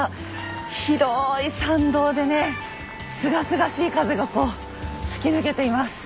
広い参道でねすがすがしい風がこう吹き抜けています。